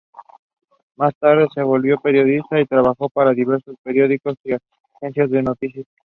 Más tarde se volvió periodista y trabajó para diversos periódicos y agencias de noticias.